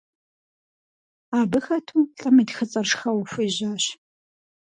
Абы хэту лӀым и тхыцӀэр шхэуэ хуежьащ.